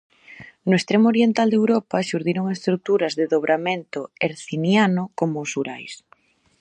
No extremo oriental de Europa xurdiron estruturas de dobramento herciniano como os Urais.